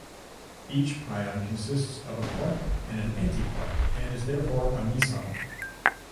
Each pion consists of a quark and an antiquark and is therefore a meson.